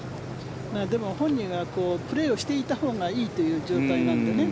でも、本人がプレーをしていたほうがいいという状態なのでね。